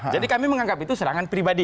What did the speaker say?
kami menganggap itu serangan pribadi